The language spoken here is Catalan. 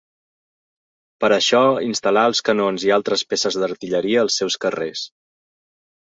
Per a això, instal·lar els canons i altres peces d'artilleria als seus carrers.